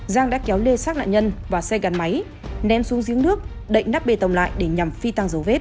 giang đã kéo lê sát nạn nhân và xây gắn máy ném xuống giếng nước đậy nắp bê tồng lại để nhằm phi tăng dấu vết